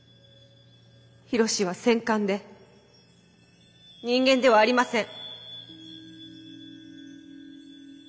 緋炉詩は戦艦で人間ではありません。